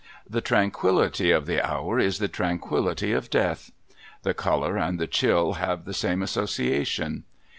The tranquillity of the hour is the tranquillity of Death. The colour and the chill have the same association.